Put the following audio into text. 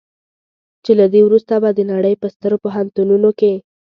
چې له دې وروسته به د نړۍ په سترو پوهنتونونو کې.